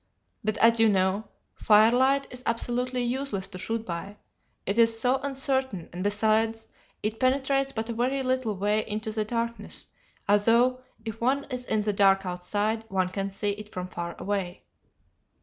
But, as you know, firelight is absolutely useless to shoot by, it is so uncertain, and besides, it penetrates but a very little way into the darkness, although if one is in the dark outside, one can see it from far away.